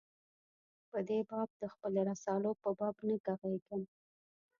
په دې باب د خپلو رسالو په باب نه ږغېږم.